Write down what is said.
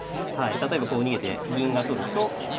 例えばこう逃げて銀が取ると。